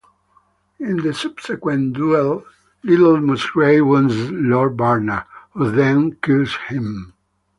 In the subsequent duel Little Musgrave wounds Lord Barnard, who then kills him.